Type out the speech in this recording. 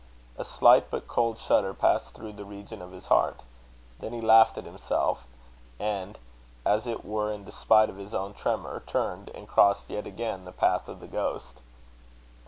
A slight but cold shudder passed through the region of his heart. Then he laughed at himself, and, as it were in despite of his own tremor, turned, and crossed yet again the path of the ghost.